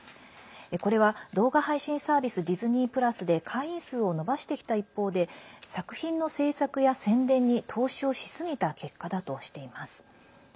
これは、動画配信サービスディズニープラスで会員数を伸ばしてきた一方で作品の制作や宣伝に投資をしすぎた結果だとしています。